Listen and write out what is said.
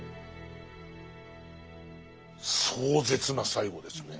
壮絶な最期ですね。